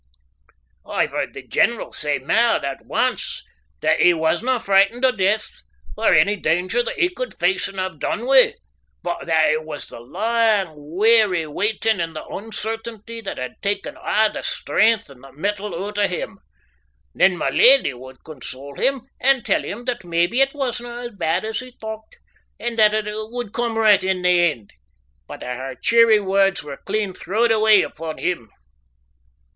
I've heard the general say mair than ance that he wasna frighted o' death, or any danger that he could face and have done wi', but that it was the lang, weary waitin' and the uncertainty that had taken a' the strength and the mettle oot o' him. Then my leddy would console him and tell him that maybe it wasna as bad as he thocht, and that a' would come richt in the end but a' her cheery words were clean throwed away upon him.